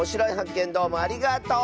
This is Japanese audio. けんどうもありがとう！